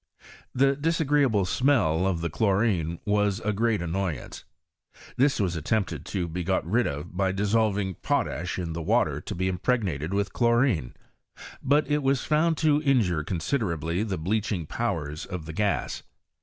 The disagreeable smell of the chlorine was a a great annoyance. This was attempted to be got rid of by dissolving potash in the water to be impregnated with chlorine ; but it was found to injure considerably the bleaching powers of the gas.